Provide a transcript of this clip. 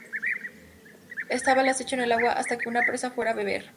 Estaba al acecho en el agua hasta que una presa fuera a beber.